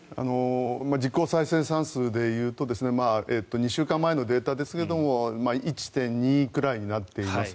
実効再生産数で言うと２週間前のデータですけれども１．２くらいになっています。